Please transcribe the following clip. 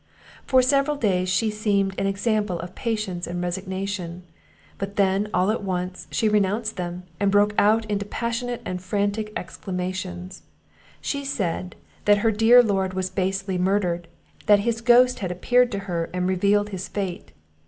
For several days she seemed an example of patience and resignation; but then, all at once, she renounced them, and broke out into passionate and frantic exclamations; she said, that her dear lord was basely murdered; that his ghost had appeared to her, and revealed his fate.